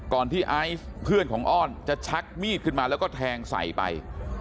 ที่ไอซ์เพื่อนของอ้อนจะชักมีดขึ้นมาแล้วก็แทงใส่ไป